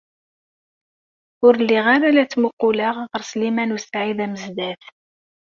Ur lliɣ ara la ttmuqquleɣ ɣer Sliman u Saɛid Amezdat.